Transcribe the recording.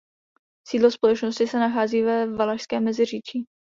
Sídlo společnosti se nachází ve Valašském Meziříčí.